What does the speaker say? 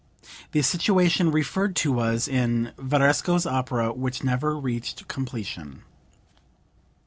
The situation referred to was in Varesco's opera which never reached completion.)